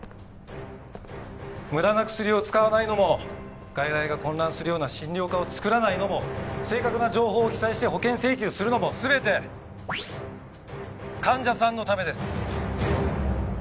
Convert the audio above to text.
無駄な薬を使わないのも外来が混乱するような診療科を作らないのも正確な情報を記載して保険請求するのも全て患者さんのためです。